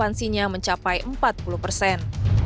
transparansinya mencapai empat puluh persen